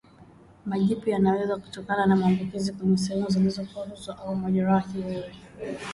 Majipu yanaweza kutokana na maambukizi kwenye sehemu zilizokwaruzwa au majeraha kiwewe